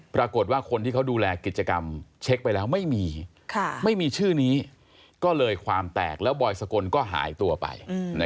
ปรากฏว่าคนที่เขาดูแลกิจกรรมเช็คไปแล้วไม่มีไม่มีชื่อนี้ก็เลยความแตกแล้วบอยสกลก็หายตัวไป